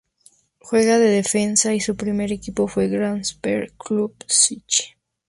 Juega de defensa y su primer equipo fue Grasshopper-Club Zürich.